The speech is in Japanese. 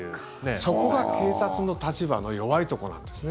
そこが警察の立場の弱いところなんですね。